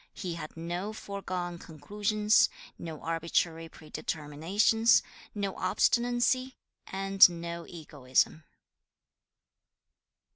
He had no foregone conclusions, no arbitrary predeterminations, no obstinacy, and no egoism.